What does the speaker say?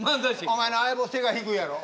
お前の相棒背が低いやろ」。